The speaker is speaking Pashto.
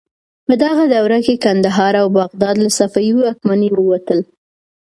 په دغه دوره کې کندهار او بغداد له صفوي واکمنۍ ووتل.